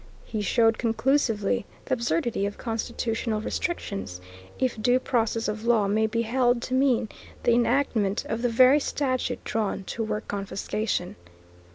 He showed conclusively the absurdity of constitutional restrictions, if due process of law may be held to mean the enactment of the very statute drawn to work confiscation.